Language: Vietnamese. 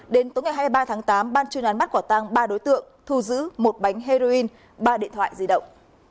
đến tối ngày hai mươi ba tháng tám ban chuyên án bắt quả tăng ba đối tượng thu giữ một bánh heroin ba điện thoại di động